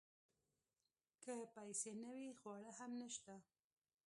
که پیسې نه وي خواړه هم نشته .